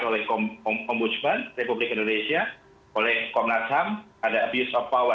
oleh ombudsman republik indonesia oleh komnas ham ada abuse of power